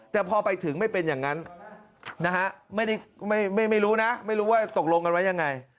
แต่พอไปถึงไม่เป็นอย่างนั้นนะฮะไม่รู้นะไม่รู้ว่าตกลงกันไว้ยังไง